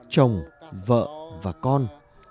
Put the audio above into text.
chồng vợ và con